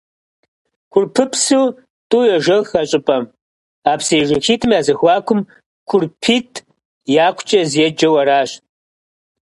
Курпыпсу тӀу йожэх а щӀыпӀэм, а псыежэхитӀым я зэхуакум «КурпитӀ якукӀэ» еджэу аращ.